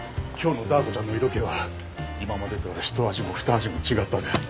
今日のダー子ちゃんの色気は今までとは一味も二味も違ったぜ。